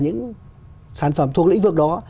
những sản phẩm thuộc lĩnh vực đó